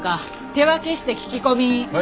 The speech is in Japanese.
手分けして聞き込み。